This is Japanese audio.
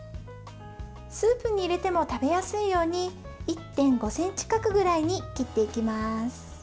スープに入れても食べやすいように１．５ｃｍ角くらいに切っていきます。